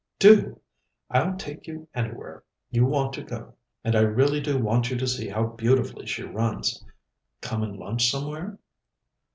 "Do! I'll take you anywhere you want to go, and I really do want you to see how beautifully she runs. Come and lunch somewhere?"